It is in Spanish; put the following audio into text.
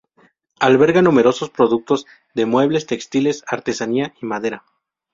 Alberga numerosos productores de muebles, textiles, artesanía y madera.